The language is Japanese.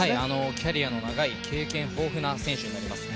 キャリアの長い、経験豊富な選手になります。